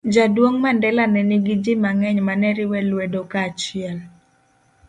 Jaduong' Mandela ne nigi ji mang'eny ma ne riwe lwedo kaachiel